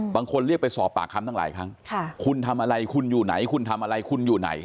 บางคนเรียกไปสอบปากคำตั้งหลายครั้งคุณทำอะไรคุณอยู่ไหนคุณทำอะไรคุณอยู่ไหน